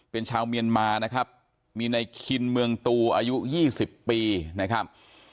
เป็นชาวเมียนมานะครับมีในคินเมืองตูอายุ๒๐ปีนะครับ